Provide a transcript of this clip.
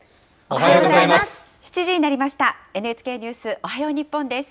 おはようございます。